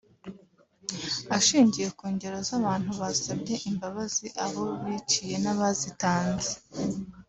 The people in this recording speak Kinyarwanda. Ashingiye ku ngero z’abantu basabye imbabazi abo biciye n’abazitanze